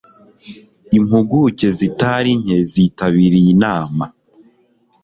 Impuguke zitari nke zitabiriye inama.